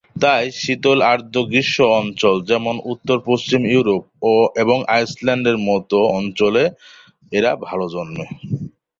তাই শীতল, আর্দ্র-গ্রীষ্ম অঞ্চল যেমনঃ উত্তর-পশ্চিম ইউরোপ এবং আইসল্যান্ডের মত অঞ্চলে এরা ভালো জন্মে।